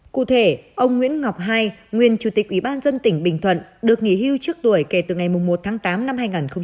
cụ thể ông nguyễn ngọc hai nguyên chủ tịch ủy ban dân tỉnh bình thuận được nghỉ hưu trước tuổi kể từ ngày một tháng tám năm hai nghìn một mươi chín